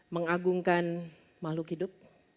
mengagungkan makhluk hidup